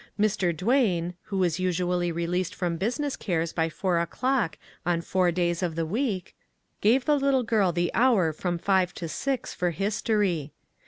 Mr. Duane, who was usually released from business cares by four o'clock on four days of the week, gave the little girl the hour from five to six for history.